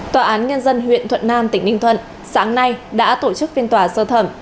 tòa án nhân dân huyện thuận nam tỉnh ninh thuận sáng nay đã tổ chức phiên tòa sơ thẩm